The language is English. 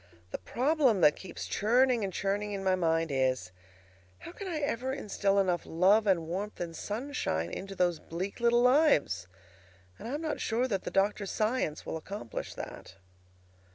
The problem that keeps churning and churning in my mind is: How can I ever instil enough love and warmth and sunshine into those bleak little lives? And I am not sure that the doctor's science will accomplish that.